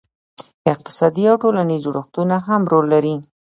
اقتصادي او ټولنیز جوړښتونه هم رول لري.